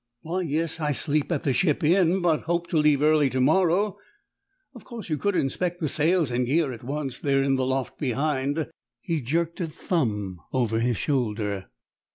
"Why, yes. I sleep at the Ship Inn, but hoped to leave early to morrow." "Of course you could inspect the sails and gear at once; they are in the loft behind." He jerked a thumb over his shoulder.